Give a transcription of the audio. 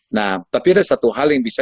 nah tapi ada satu hal yang bisa